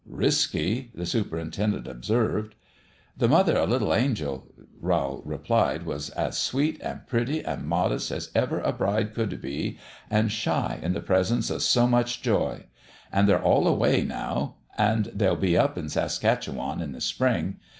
" Risky," the superintendent observed. "The mother o' little Angel," Rowl replied, " was as sweet, an' pretty, an' modest as ever a bride could be, an' shy in the presence o' so much joy. An' they're all away, now an' they'll be up in Saskatchewan in the spring.